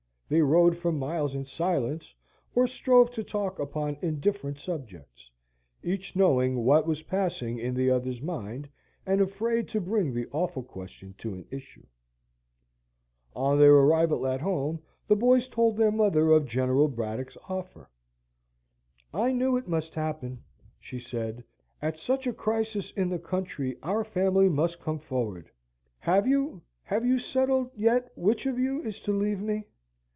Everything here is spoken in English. They rode for miles in silence, or strove to talk upon indifferent subjects; each knowing what was passing in the other's mind, and afraid to bring the awful question to an issue. On their arrival at home the boys told their mother of General Braddock's offer. "I knew it must happen," she said; "at such a crisis in the country our family must come forward. Have you have you settled yet which of you is to leave me?"